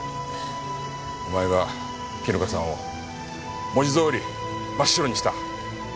お前が絹香さんを文字どおり真っ白にした。